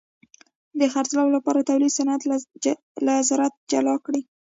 د خرڅلاو لپاره تولید صنعت له زراعت جلا کړ.